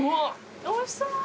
おいしそう。